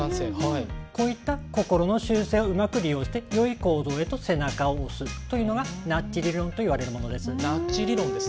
こういった心の習性をうまく利用してよい行動へと背中を押すというのがナッジ理論といわれるものです。